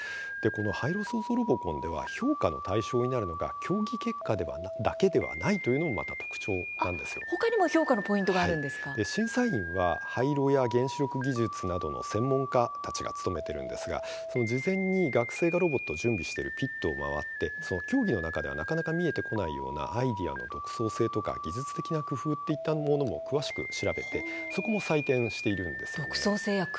この「廃炉創造ロボコン」では評価の対象になるのが競技結果だけではないというのもほかにも評価のポイントが審査員は廃炉や原子力技術などの専門家が務めているんですが事前に学生たちがロボットを準備しているピットも回って競技の中では見えてこないアイデアの独創性や技術的な工夫なども詳しく調べてそこも採点しているんです。